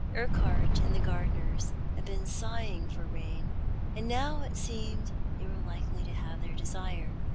Urquhart and the gardeners had been sighing for rain, and now it seemed they were likely to have their desire.